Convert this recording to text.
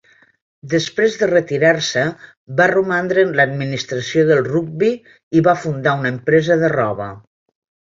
Després de retirar-se, va romandre en l'administració del rugbi i va fundar una empresa de roba.